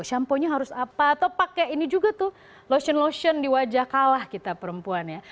shamponya harus apa atau pakai ini juga tuh lotion lotion di wajah kalah kita perempuan ya